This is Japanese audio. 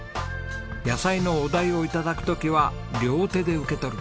野菜のお代を頂く時は両手で受け取る。